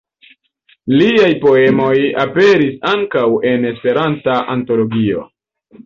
Liaj poemoj aperis ankaŭ en "Esperanta Antologio".